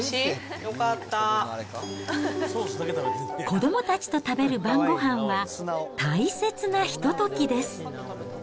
子どもたちと食べる晩ごはんは、大切なひとときです。